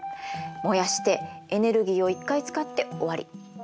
燃やしてエネルギーを１回使って終わり。